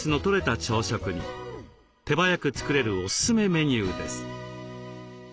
手早く作れるおすすめメニューです。